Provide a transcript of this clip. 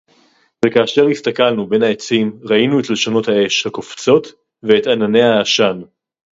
וְכַאֲשֶׁר הִסְתַּכַּלְנוּ בֵּין הָעֵצִים רָאִינוּ אֶת לְשׁוֹנוֹת הָאֵשׁ הַקּוֹפְצוֹת וְאֶת עַנְנֵי הֶעָשָׁן.